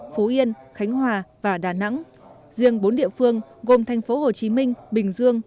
phú yên khánh hòa và đà nẵng riêng bốn địa phương gồm thành phố hồ chí minh bình dương